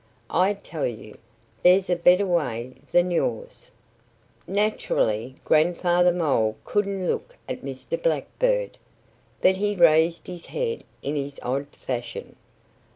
I tell you, there's a better way than yours!" Naturally, Grandfather Mole couldn't look at Mr. Blackbird. But he raised his head in his odd fashion.